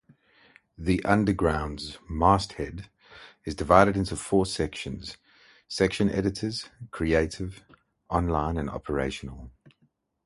"The Underground"'s masthead is divided into four sections: Section Editors, Creative, Online and Operational.